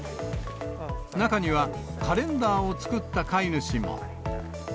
中には、カレンダーを作った飼い主も。